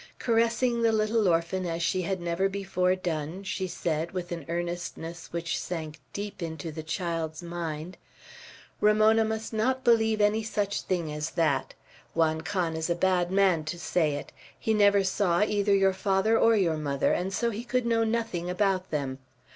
Caressing the little orphan as she had never before done, she said, with an earnestness which sank deep into the child's mind, "Ramona must not believe any such thing as that. Juan Can is a bad man to say it. He never saw either your father or your mother, and so he could know nothing about them.